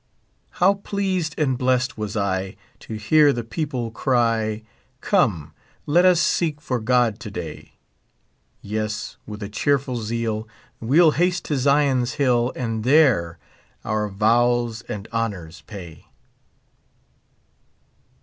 How pleased and blest was I, 'I'o hear tljo people cry : Come, k't us seek for God to day; Yes. with a cheerful zeal, We'll haste to Zion's hill, And there our vows and honors pay.